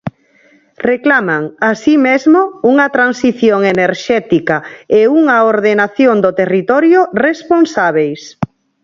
Reclaman, así mesmo, unha transición enerxética e unha ordenación do territorio responsábeis.